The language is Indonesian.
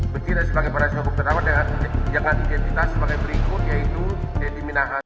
begitulah sebagai para sehubung terawal dengan yang akan diketahui sebagai berikut yaitu deddy minahan